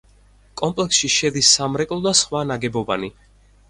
კომპლექსში შედის სამრეკლო და სხვა ნაგებობანი.